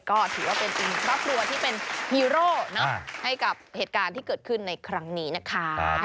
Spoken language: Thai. ก็ถือว่าเป็นอีกหนึ่งครอบครัวที่เป็นฮีโร่ให้กับเหตุการณ์ที่เกิดขึ้นในครั้งนี้นะคะ